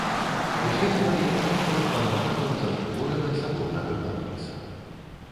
Узведзена як частка запланаванага ў цэнтры горада саборнага комплекса.